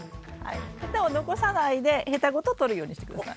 ヘタを残さないでヘタごととるようにして下さい。